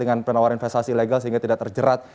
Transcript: dengan penawar investasi ilegal sehingga tidak terjerat